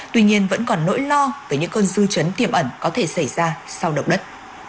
tuy nhiên vẫn còn nỗi lo về những cơn dư chấn tiềm ẩn có thể xảy ra sau động đất